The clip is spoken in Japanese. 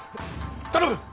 頼む！